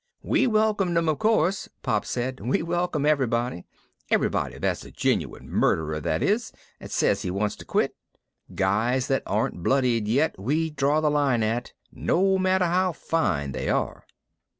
"We welcomed 'em, of course," Pop said. "We welcome everybody. Everybody that's a genuine murderer, that is, and says he wants to quit. Guys that aren't blooded yet we draw the line at, no matter how fine they are."